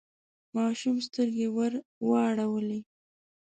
ماشوم سترګې ورواړولې.